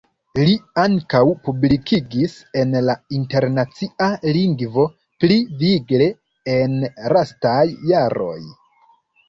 Li ankaŭ publikigis en la internacia lingvo, pli vigle en lastaj jaroj.